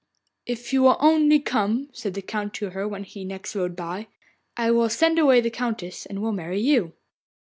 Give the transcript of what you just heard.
'If you will only come,' said the Count to her when next he rode by, 'I will send away the Countess, and will marry you.